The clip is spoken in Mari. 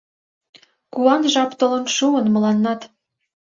Куан жап толын шуын мыланнат.